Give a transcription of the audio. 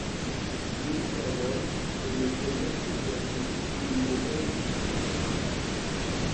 Dieu créa l’homme, et le voyant si faible, il lui donna le chien !